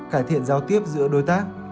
cải thiện giao tiếp giữa đối tác